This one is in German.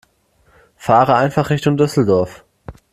Fahre einfach Richtung Düsseldorf